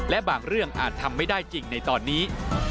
และบางเรื่องอาจทำไม่ได้จริงในตอนนี้